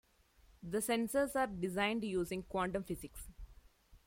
The sensors are designed using quantum physics.